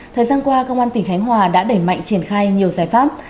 thời gian qua công an tỉnh khánh hòa đã đẩy mạnh triển khai nhiều giải pháp